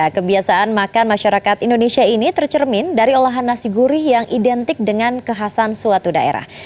kebiasaan makan masyarakat indonesia ini tercermin dari olahan nasi gurih yang identik dengan kekhasan suatu daerah